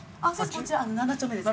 こちら７丁目ですね。